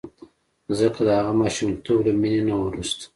ځکه د هغه ماشومتوب له مینې نه وروسته.